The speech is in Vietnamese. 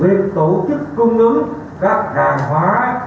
việc tổ chức cung ứng các đàn hóa